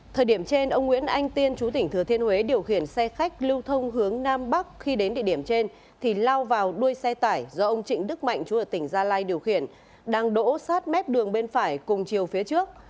thời điểm trên ông nguyễn anh tiên chú tỉnh thừa thiên huế điều khiển xe khách lưu thông hướng nam bắc khi đến địa điểm trên thì lao vào đuôi xe tải do ông trịnh đức mạnh chú ở tỉnh gia lai điều khiển đang đỗ sát mép đường bên phải cùng chiều phía trước